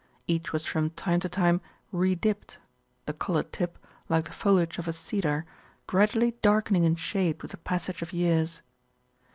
Each was from time to time "re dipped," the coloured tip, like the foliage of a cedar, gradually darkening in shade with the passage of years.